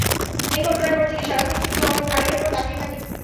এই ঘটনার পর থেকে সারাক্ষণ শুধু আমার ঘাড়ের উপর তাকিয়ে থাকি।